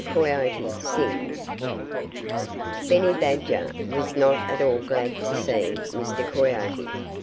COYOTE SINGS Benny Badger was not at all glad to see Mr. Coyote.